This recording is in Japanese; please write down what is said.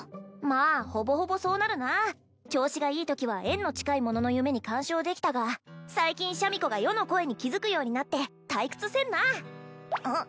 まあほぼほぼそうなるな調子がいいときは縁の近い者の夢に干渉できたが最近シャミ子が余の声に気づくようになって退屈せんなうん？